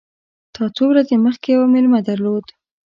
تا څو ورځي مخکي یو مېلمه درلود !